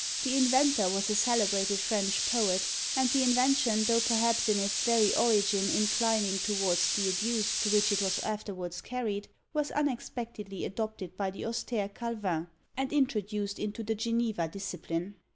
The inventor was a celebrated French poet; and the invention, though perhaps in its very origin inclining towards the abuse to which it was afterwards carried, was unexpectedly adopted by the austere Calvin, and introduced into the Geneva discipline.